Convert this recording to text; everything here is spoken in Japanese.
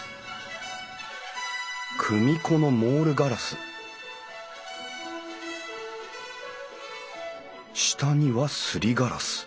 組子のモールガラス下にはすりガラス。